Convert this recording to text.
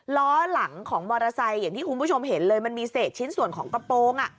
ล้อหลังของมอเตอร์ไซค์อย่างที่คุณผู้ชมเห็นเลยมันมีเศษชิ้นส่วนของกระโปรง